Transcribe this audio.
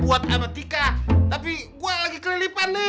buat amatika tapi gue lagi kelilipan nih